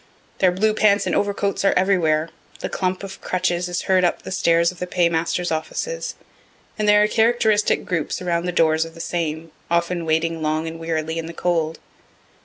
Their blue pants and overcoats are everywhere. The clump of crutches is heard up the stairs of the paymasters' offices, and there are characteristic groups around the doors of the same, often waiting long and wearily in the cold.